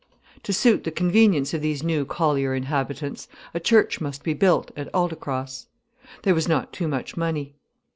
To suit the convenience of these new collier inhabitants, a church must be built at Aldecross. There was not too much money.